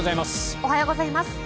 おはようございます。